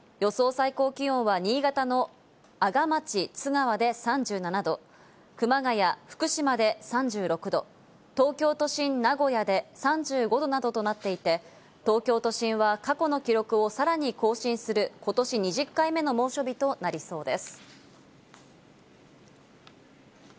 最高気温は新潟の阿賀町津川で３７度、熊谷、福島で３６度、東京都心、名古屋で３５度などとなっていて、東京都心は過去の記録をさらに更新する、ことし２０回目の猛暑日となりそうです。